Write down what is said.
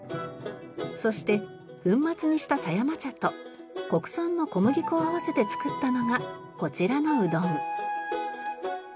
そして粉末にした狭山茶と国産の小麦粉を合わせて作ったのがこちらのうどん。